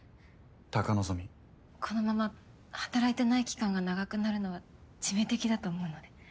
このまま働いてない期間が長くなるのは致命的だと思うので。